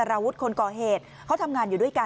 มีดจะใช้มีดอะไรกี่